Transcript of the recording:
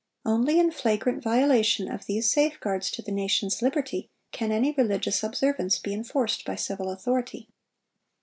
Only in flagrant violation of these safeguards to the nation's liberty, can any religious observance be enforced by civil authority.